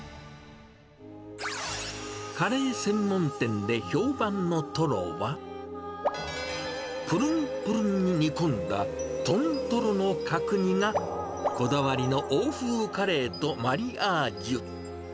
カレー専門店で評判のトロは、ぷるんぷるんに煮込んだ豚トロの角煮が、こだわりの欧風カレーとマリアージュ。